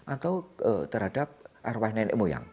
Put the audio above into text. atau terhadap arwah nenek moyang